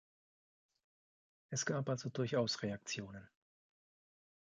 Es gab also durchaus Reaktionen.